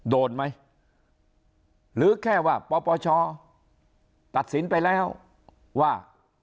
โดนไหมหรือแค่ว่าปปชตัดสินไปแล้วว่า